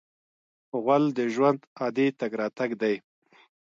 غول د ژوند عادي تګ راتګ دی.